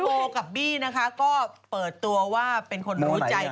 โบกับบี้นะคะก็เปิดตัวว่าเป็นคนรู้ใจ